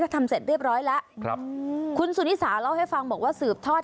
ทำเสร็จเรียบร้อยแล้วครับคุณสุนิสาเล่าให้ฟังบอกว่าสืบทอด